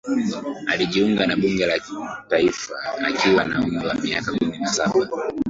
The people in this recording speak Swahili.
alijiunga na bunge la kitaifa akiwa na umri wa miaka kumi na saba